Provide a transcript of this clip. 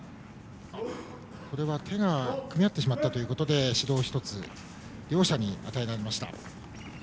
手が組み合ってしまったということで、指導が１つ両者に与えられました。